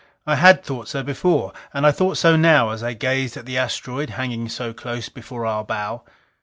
I had thought so before; and I thought so now as I gazed at the asteroid hanging so close before our bow.